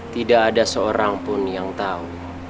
tidak ada seorang pun yang tahu